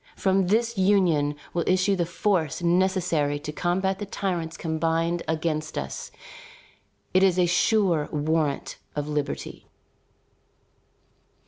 From this union will issue the force necessary to combat the tyrants combined against us. It is a sure warrant of liberty."